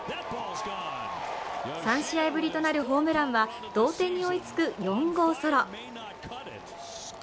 ３試合ぶりとなるホームランは同点に追いつく４号ソロ。